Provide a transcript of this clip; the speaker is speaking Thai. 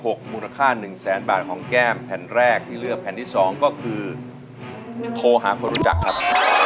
มูลค่าหนึ่งแสนบาทของแก้มแผ่นแรกที่เลือกแผ่นที่สองก็คือโทรหาคนรู้จักครับ